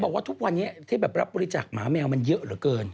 จะบอกว่าทุกวันนี้แบบที่รับบริจาคหมายแมวมันเยอะเหรอเกิน